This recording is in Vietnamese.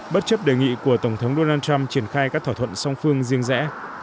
bất chấp đề nghị của tổng thống donald trump triển khai các thỏa thuận song phương riêng rẽ